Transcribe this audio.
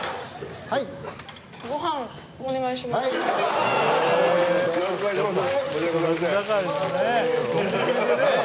ごはんお願いします。